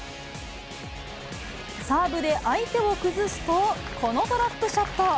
サーブで相手を崩すと、このドロップショット。